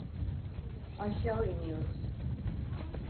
Aşağı iniyoruz.